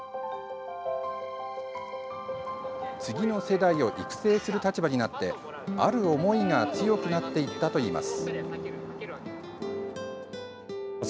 次の世代を育成する立場になってある思いが強くなっていったといいます。